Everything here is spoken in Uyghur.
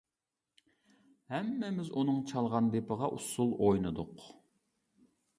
ھەممىمىز ئۇنىڭ چالغان دېپىغا ئۇسسۇل ئوينىدۇق!